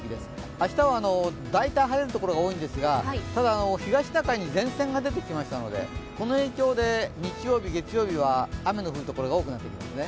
明日は大体、晴れる所が多いんですがただ東シナ海に前線が出てきましたのでこの影響で、日曜日、月曜日は雨の降るところが多くなってきますね。